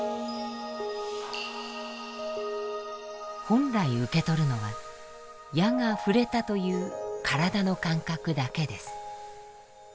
本来受け取るのは矢が触れたという体の感覚だけです。